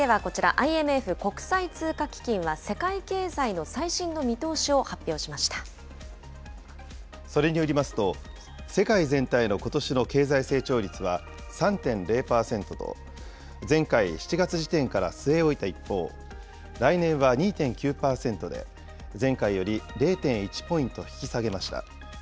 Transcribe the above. ＩＭＦ・国際通貨基金は世界経済それによりますと、世界全体のことしの経済成長率は３．０％と、前回・７月時点から据え置いた一方、来年は２．９％で、前回より０．１ポイント引き下げました。